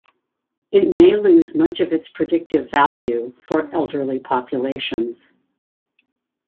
It may lose much of its predictive value for elderly populations.